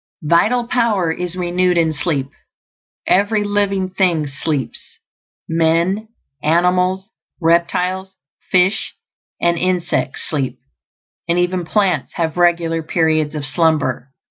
Vital power is renewed in sleep. Every living thing sleeps; men, animals, reptiles, fish, and insects sleep, and even plants have regular periods of slumber.